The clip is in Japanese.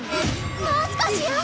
もう少しよ！